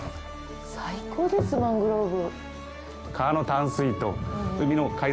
最高です、マングローブ。